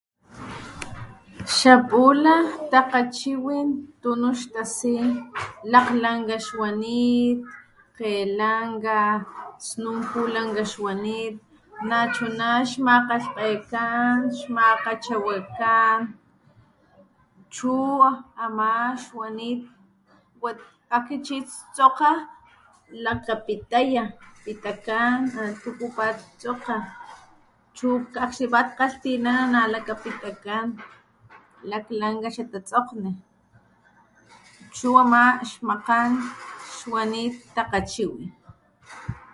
Xapula takgachiwin tunu xtasi lakglanka xwanit kgelanka, snun pulanka xwanit nachuna xmakgalhkgekan makgachewakan chu ama xwanit akxni chi ixtsokga lakapitaya pitakan tuku pattsokga chu akxni kgalhtinana lakapitakan laklanka xatasokgni chu ama makgan xwanit takgachiwin